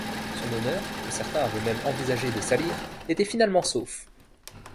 Son honneur, que certains avaient même envisagé de salir, était finalement sauf.